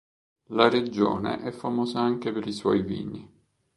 La regione è famosa anche per i suoi vini.